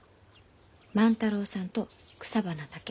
万太郎さんと草花だけ。